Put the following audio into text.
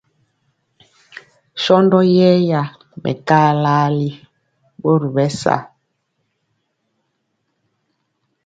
Shɔndɔ yɛra mɛkaa laali ɓɔri bɛ sa.